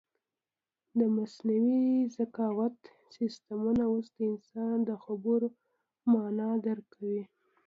د مصنوعي ذکاوت سیسټمونه اوس د انسان د خبرو مانا درک کوي.